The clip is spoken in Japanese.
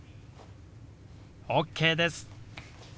ＯＫです。